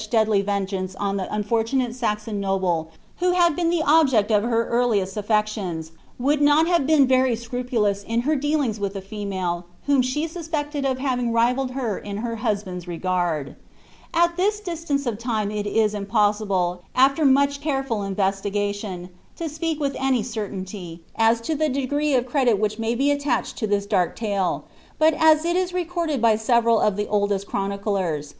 D A FLANDERS nofortDMt^ Saxon nobleman who had been ihe objecl of her earliest s fivtioiu, wouM ntil have heen very scrupulous in her dealingB with iVidmIp whom she siupceted of having rivalled her in hor husband's r^^ gnrd. At tliis distance of time it is impossible, after most careful inve« ligpitiiin, tO speak with any certainty, as to the degree of credit which may be attar.h«d to this dark talc ; but as il is recorded by several of ihe (ilil«st clironiclerv.